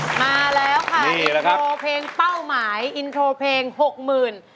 มาแล้วค่ะอินโทรเพลงเป้าหมายอินโทรเพลง๖๐๐๐๐บาท